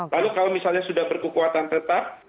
lalu kalau misalnya sudah berkekuatan tetap